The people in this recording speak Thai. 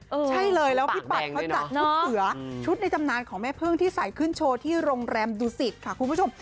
ใช่เลยแล้วพี่ปัดเขาจัดชุดเสือชุดในตำนานของแม่พึ่งที่ใส่ขึ้นโชว์ที่โรงแรมดูสิตค่ะคุณผู้ชม